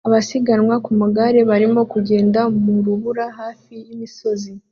Abasiganwa ku magare barimo kugenda mu rubura hafi y'imisozi